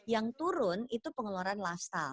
yang turun itu pengeluaran lifestyle